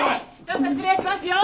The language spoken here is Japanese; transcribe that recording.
ちょっと失礼しますよ。